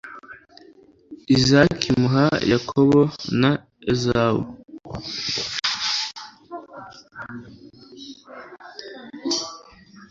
izaki muha yakobo na ezawu